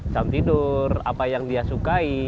jam tidur apa yang dia sukai